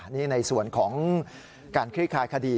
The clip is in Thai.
นี่ในส่วนของการคลี่คลายคดี